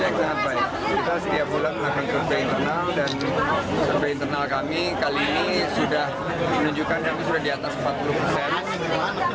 dan survei internal kami kali ini sudah menunjukkan kami sudah di atas empat puluh persen